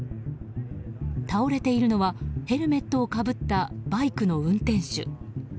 倒れているのはヘルメットをかぶったバイクの運転手。